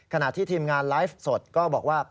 ขณะที่ทีมงานไลฟ์สดก็บอกว่า